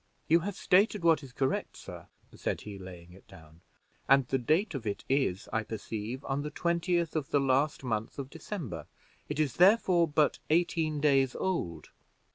"You have stated what is correct, sir," said he, laying it down; "and the date of it is, I perceive, on the 20th of the last month December. It is, therefore, but eighteen days old."